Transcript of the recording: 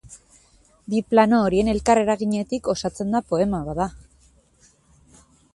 Bi plano horien elkarreraginetik osatzen da poema, bada.